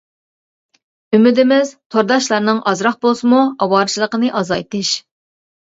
ئۈمىدىمىز تورداشلارنىڭ ئازراق بولسىمۇ ئاۋارىچىلىكىنى ئازايتىش.